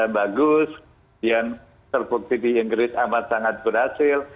bagus yang terbukti di inggris amat sangat berhasil